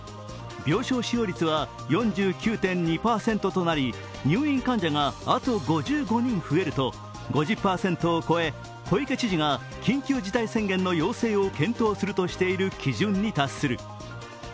病床使用率は４９．２％となり入院患者があと５５人増えると５０％を超え小池知事が緊急事態宣言の要請を検討しているとする基準に達する。